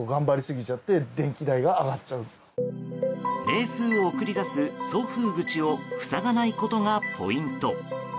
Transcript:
冷風を送り出す送風口を塞がないことがポイント。